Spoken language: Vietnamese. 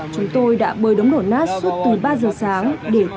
chúng tôi đã bơi đống đổ nát suốt từ ba giờ sáng